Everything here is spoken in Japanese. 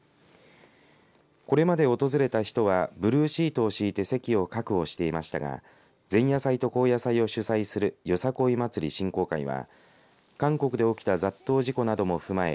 これまで訪れた人はブルーシートを敷いて席を確保していましたが前夜祭と後夜祭を主催するよさこい祭振興会は韓国で起きた雑踏事故なども踏まえ